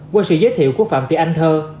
qua sự giới thiệu của phạm thị anh thơ